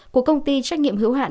của công ty trách nhiệm hữu hạn